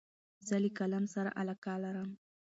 زه له قلم سره علاقه لرم.